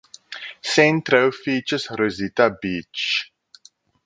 Centro features Rosita Beach.